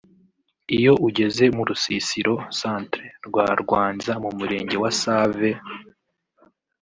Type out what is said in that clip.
Iyo ugeze mu rusisiro (centre) rwa Rwanza mu Murenge wa Save